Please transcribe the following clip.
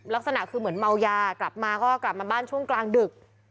ลักษณะคือเหมือนเมายากลับมาก็กลับมาบ้านช่วงกลางดึก